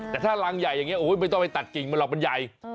แต่ถ้ารังใหญ่อย่างนี้ไม่ต้องไปตัดกิ่งมันหรอกมันใหญ่